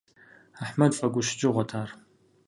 Ахьмэд фӀэгущыкӀыгъуэт ар.